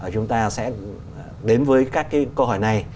chúng ta sẽ đến với các cái câu hỏi này